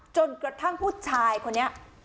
จนกระทั่งผู้ชายคนนี้